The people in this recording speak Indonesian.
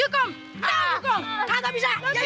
kamu harus pulang kamu harus pulang